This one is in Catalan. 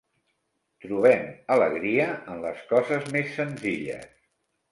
Trobem alegria en les coses més senzilles.